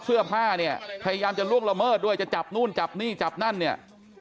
เสื้อผ้าเนี่ยพยายามจะล่วงละเมิดด้วยจะจับนู่นจับนี่จับนั่นเนี่ย